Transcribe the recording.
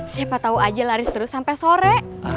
siapa tahu aja laris terus sampai sore